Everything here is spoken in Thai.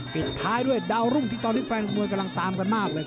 ปิดท้ายด้วยดาวรุ่งที่ตอนนี้แฟนมวยกำลังตามกันมากเลย